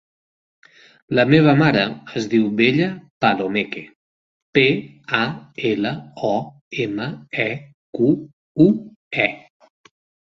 La meva mare es diu Bella Palomeque: pe, a, ela, o, ema, e, cu, u, e.